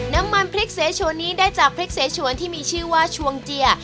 น้ำมันพริกเสชวนนี้ได้จากพริกเสชวนที่มีชื่อว่าชวงเจีย